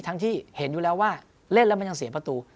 ที่เห็นอยู่แล้วว่าเล่นแล้วมันยังเสียประตู